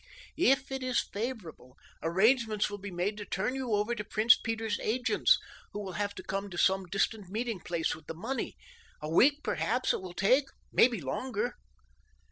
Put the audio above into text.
"If it is favorable, arrangements will be made to turn you over to Prince Peter's agents, who will have to come to some distant meeting place with the money. A week, perhaps, it will take, maybe longer."